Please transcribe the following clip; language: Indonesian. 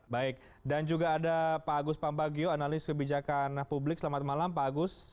baik dan juga ada pak agus pambagio analis kebijakan publik selamat malam pak agus